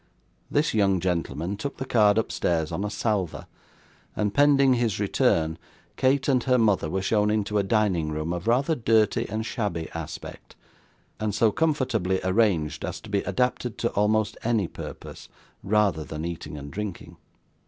This young gentleman took the card upstairs on a salver, and pending his return, Kate and her mother were shown into a dining room of rather dirty and shabby aspect, and so comfortably arranged as to be adapted to almost any purpose rather than eating and drinking.